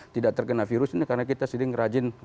tidak terkena virus ini karena kita sering rajin